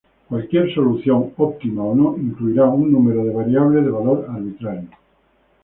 Cualquier solución, óptima o no, incluirá un número de variables de valor arbitrario.